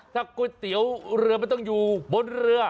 ถ้าก๋วยเตี๋ยวเรือมันต้องอยู่บนเรือ